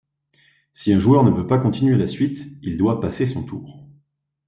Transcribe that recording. Si un joueur ne peut pas continuer la suite, il doit passer son tour.